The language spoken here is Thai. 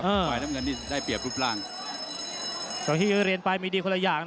โอเคแสนทนง